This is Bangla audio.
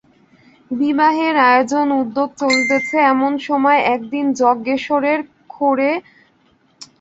বিবাহের আয়োজন উদ্যোগ চলিতেছে এমন সময় একদিন যজ্ঞেশ্বরের খোড়ো ঘরে বিভূতিভূষণ স্বয়ং আসিয়া উপস্থিত।